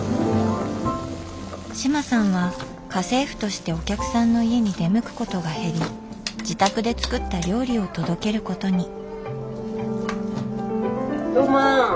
志麻さんは家政婦としてお客さんの家に出向くことが減り自宅で作った料理を届けることに。